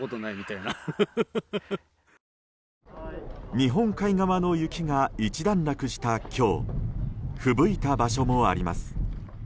日本海側の雪が一段落した今日ふぶいた場所もあります。